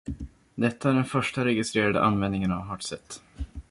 Detta är den första registrerade användningen av hartset.